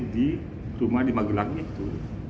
di rumah di magelang itu